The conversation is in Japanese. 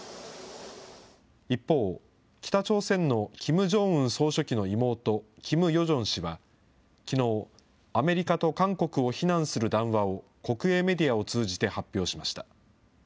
一方、北朝鮮のキム・ジョンウン総書記の妹、キム・ヨジョン氏は、きのう、アメリカと韓国を非難する談話を、国営メディアを通じて発表しました。